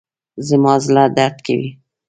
زما زړه درد کوي